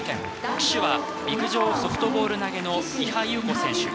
旗手は陸上ソフトボール投げの伊波佑子選手。